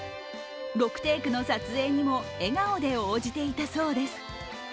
６テイクの撮影にも笑顔で応じていたそうです。